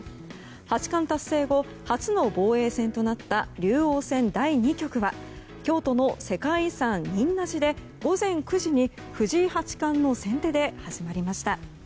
八冠達成後、初の防衛線となった竜王戦第２局は京都の世界遺産・仁和寺で午前９時に藤井八冠の先手で始まりました。